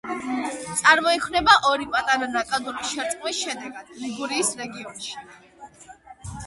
წარმოიქმნება ორი პატარა ნაკადულის შერწყმის შედეგად, ლიგურიის რეგიონში.